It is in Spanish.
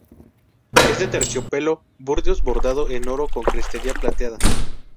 Es de terciopelo burdeos bordado en oro con crestería plateada.